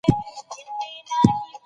د پښتو په ژبه سوله راولو.